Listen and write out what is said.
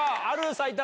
埼玉。